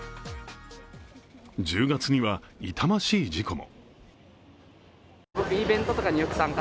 １０月には、痛ましい事故も。